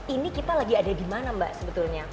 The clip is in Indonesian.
ini kita lagi ada di mana mbak sebetulnya